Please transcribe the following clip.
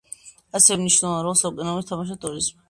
ასევე მნიშვნელოვან როლს ეკონომიკაში თამაშობს ტურიზმი.